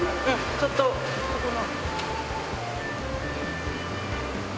ちょっとここの。